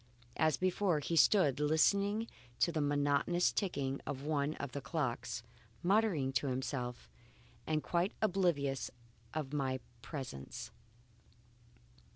As before, he stood listening to the monotonous ticking of one of the clocks, muttering to himself and quite oblivious of my presence.